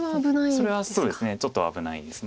それはそうですねちょっと危ないです。